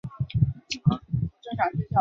而现今最主要的解释就是橄榄油的使用。